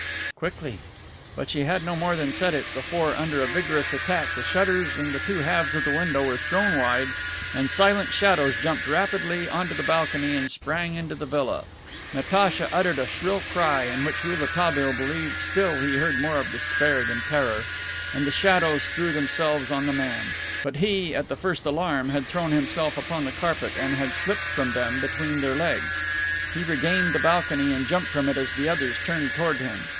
(Quickly). But she had no more than said it before, under a vigorous attack, the shutters and the two halves of the window were thrown wide, and silent shadows jumped rapidly onto the balcony and sprang into the villa. Natacha uttered a shrill cry in which Rouletabille believed still he heard more of despair than terror, and the shadows threw themselves on the man; but he, at the first alarm, had thrown himself upon the carpet and had slipped from them between their legs. He regained the balcony and jumped from it as the others turned toward him.